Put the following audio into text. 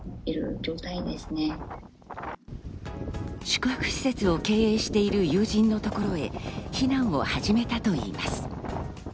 宿泊施設を経営している友人の所へ避難を始めたといいます。